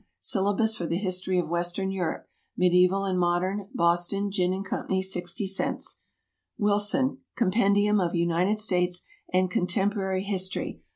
"Syllabus for the History of Western Europe (Medieval and Modern)." Boston, Ginn & Co. 60 cents. WILSON. "Compendium of United States and Contemporary History."